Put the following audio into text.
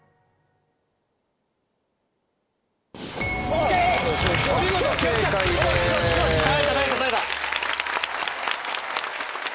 お見事正解です！